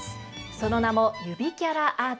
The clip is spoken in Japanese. その名もゆびキャラアート。